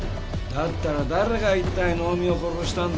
だったら誰が一体能見を殺したんだ？